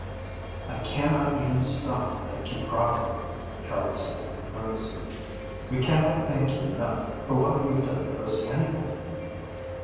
"I cannot even stop to thank you properly," Charley said, earnestly. "We cannot thank you enough for what you have done for us, anyway."